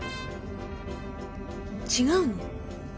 違うの？